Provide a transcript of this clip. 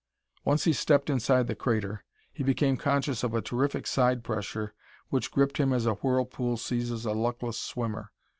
Once he stepped inside the crater, he became conscious of a terrific side pressure which gripped him as a whirlpool seizes a luckless swimmer.